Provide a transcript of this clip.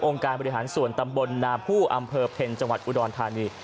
การบริหารส่วนตำบลนาผู้อำเภอเพ็ญจังหวัดอุดรธานี